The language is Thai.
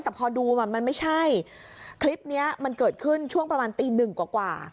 แต่พอดูมันไม่ใช่คลิปนี้มันเกิดขึ้นช่วงประมาณตีหนึ่งกว่า